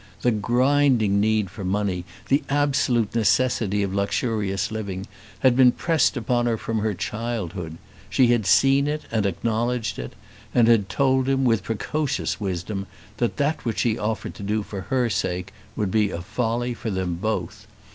The grinding need for money, the absolute necessity of luxurious living, had been pressed upon her from her childhood. She had seen it and acknowledged it, and had told him, with precocious wisdom, that that which he offered to do for her sake would be a folly for them both.